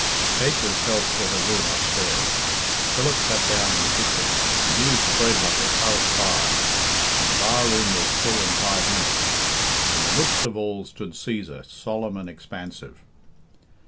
Kate was helped to her room upstairs, Philip sat down in the kitchen, the news spread like a curragh fire, and the barroom was full in five minutes. In the midst of all stood Cæsar, solemn and expansive.